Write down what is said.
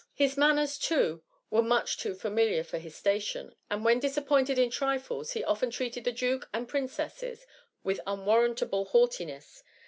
155 His manners, too, were much too familiar for his station, and when disappointed in trifles, he often treated the duke and princesses with unwarrantable haughtiness.